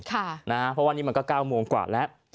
เพราะว่านี่มันก็๙โมงกว่าแล้ว